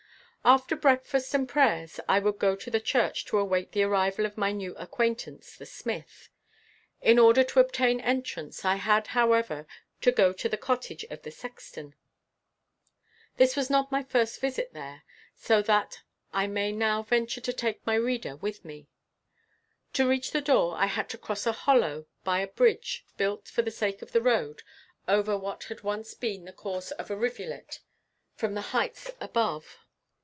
After breakfast and prayers, I would go to the church to await the arrival of my new acquaintance the smith. In order to obtain entrance, I had, however, to go to the cottage of the sexton. This was not my first visit there, so that I may now venture to take my reader with me. To reach the door, I had to cross a hollow by a bridge, built, for the sake of the road, over what had once been the course of a rivulet from the heights above.